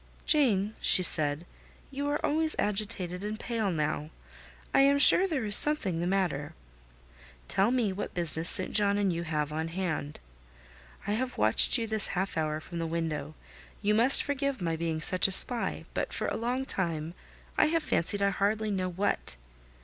"Jane," she said, "you are always agitated and pale now. I am sure there is something the matter. Tell me what business St. John and you have on hands. I have watched you this half hour from the window; you must forgive my being such a spy, but for a long time I have fancied I hardly know what.